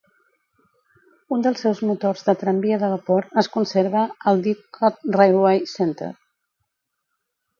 Un dels seus motors de tramvia de vapor es conserva al Didcot Railway Centre.